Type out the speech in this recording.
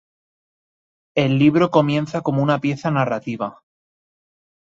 El libro comienza como una pieza narrativa.